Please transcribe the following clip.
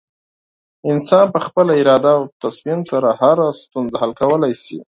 انسان په خپله اراده او تصمیم سره هره ستونزه حل کولی شي.